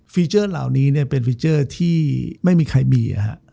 เจอร์เหล่านี้เป็นฟีเจอร์ที่ไม่มีใครมี